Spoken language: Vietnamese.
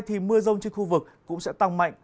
thì mưa rông trên khu vực cũng sẽ tăng mạnh